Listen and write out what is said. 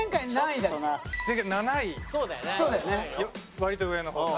割と上の方。